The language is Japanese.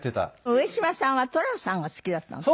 上島さんは寅さんが好きだったのね。